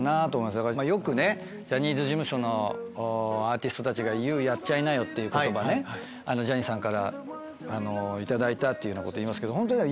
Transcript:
だからよくジャニーズ事務所のアーティストたちが「ＹＯＵやっちゃいなよ」っていう言葉ねジャニーさんから頂いたっていうようなこと言いますけど。